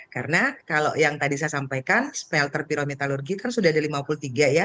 karena kalau yang tadi saya sampaikan smelter pirometalurgi kan sudah ada lima puluh tiga ya